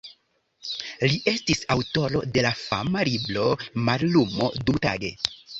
Li estis aŭtoro de la fama libro "Mallumo dumtage".